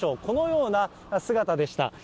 このような姿でした。